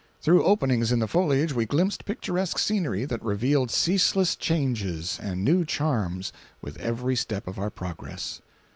Through openings in the foliage we glimpsed picturesque scenery that revealed ceaseless changes and new charms with every step of our progress.